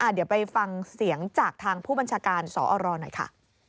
เดี๋ยวไปฟังเสียงจากทางผู้บัญชาการสอรหน่อยค่ะ